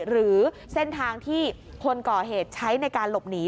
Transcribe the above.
หรือเส้นทางที่คนก่อเหตุใช้ในการหลบหนี